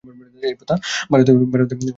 এই প্রথা ভারতে আজও প্রচলিত আছে।